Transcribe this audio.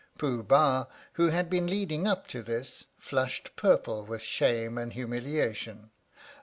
Pooh Bah (who had been leading up to this) flushed purple with shame and humiliation.